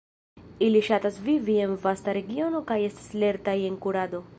Ili ŝatas vivi en vasta regiono kaj estas lertaj en kurado.